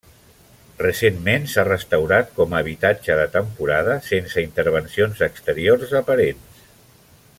Recentment s'ha restaurat com a habitatge de temporada sense intervencions exteriors aparents.